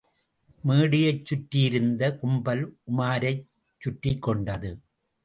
மேடையைச் சுற்றியிருந்த கும்பல் உமாரைச் சுற்றிக் கொண்டது.